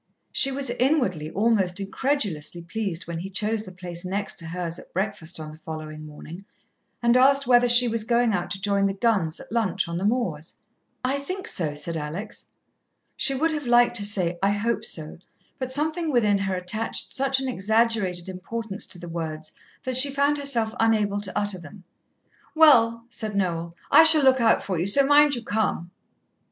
She was inwardly almost incredulously pleased when he chose the place next to hers at breakfast on the following morning, and asked whether she was going out to join the guns at lunch on the moors. "I think so," said Alex. She would have liked to say, "I hope so," but something within her attached such an exaggerated importance to the words that she found herself unable to utter them. "Well," said Noel, "I shall look out for you, so mind you come."